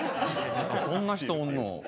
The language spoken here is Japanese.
そんな人、おんの？